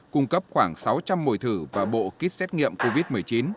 cung cấp khoảng sáu trăm linh mồi thử và bộ kit xét nghiệm covid một mươi chín